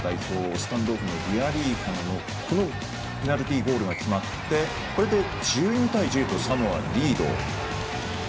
スタンドオフのリアリーファノのこのペナルティゴールが決まってこれで１２対１０とサモアにリード。